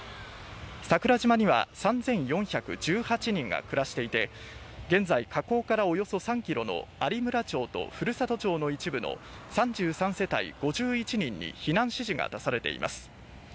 桜島には３４１８人が暮らしていて現在、火口からおよそ３ｋｍの有村町と古里町の一部の３３世帯５１人に避難指示が出されています。